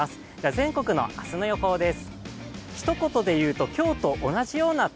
全国の明日の予報です。